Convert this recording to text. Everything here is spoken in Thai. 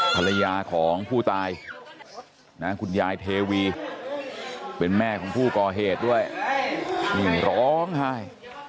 ภรรยาของผู้ตายนะคุณยายเทวีเป็นแม่ของผู้ก่อเหตุด้วยนี่ร้องไห้